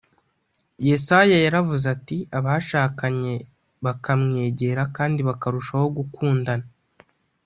Yesaya Yaravuze ati abashakanye bakamwegera kandi bakarushaho gukundana